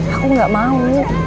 aku gak mau